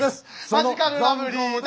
マヂカルラブリーです。